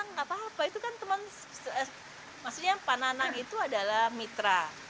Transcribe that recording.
nggak apa apa itu kan teman maksudnya pak nanang itu adalah mitra